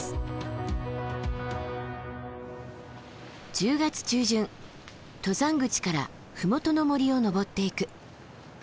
１０月中旬登山口から麓の森を登っていく。